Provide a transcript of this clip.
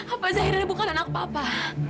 apa zaira ini bukan anak papa